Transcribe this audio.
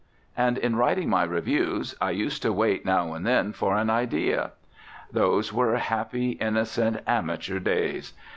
And in writing my reviews I used to wait now and then for an idea. Those were happy, innocent, amateur days.